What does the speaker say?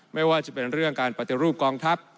ไม่ว่าจะเป็นเรื่องการปฏิรูปกองทัพ